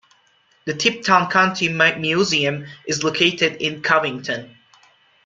The Tipton County Museum is located in Covington.